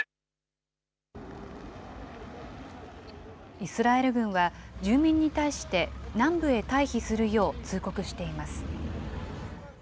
イスラエル軍は住民に対して、南部へ退避するよう通告しています。